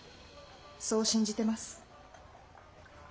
そう信じてます。